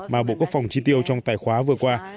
mà bộ quốc phòng chi tiêu trong tài khoá vừa qua